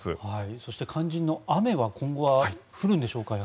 そして肝心の雨は今後は降るんでしょうか？